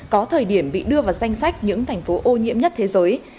có thời điểm bị đưa vào danh sách những thành phố ô nhiễm nhất thế giới